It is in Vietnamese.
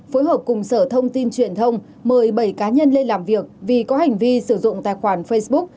phối hợp cùng sở thông tin truyền thông mời bảy cá nhân lên làm việc vì có hành vi sử dụng tài khoản facebook